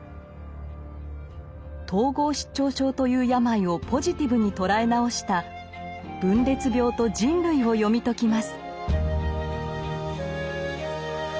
統合失調症という病をポジティブに捉え直した「分裂病と人類」を読み解きます。